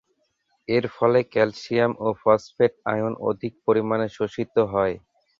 এর ফলে ক্যালসিয়াম ও ফসফেট আয়ন অধিক পরিমাণে শোষিত হয়।